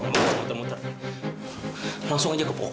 mas satria punya anak